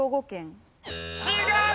違う！